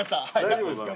大丈夫ですか？